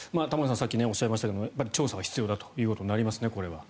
さっきおっしゃいましたが調査は必要だということになりますね。